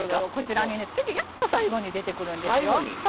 やっと最後に出てくるんですよ。